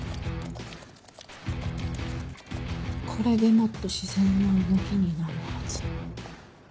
これでもっと自然な動きになるはず。